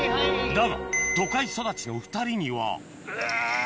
だが都会育ちの２人にはうわぁぁ。